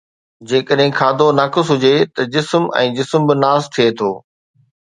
جيڪڏهن کاڌو ناقص هجي ته جسم ۽ جسم به ناس ٿئي ٿو